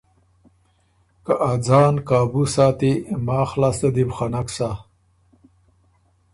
ګۀ ا ځان قابُو ساتئ، ماخ لاسته دی بُو خه نک سَۀ۔